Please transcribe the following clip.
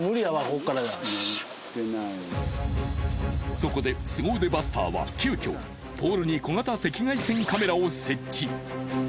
そこでスゴ腕バスターは急きょポールに小型赤外線カメラを設置。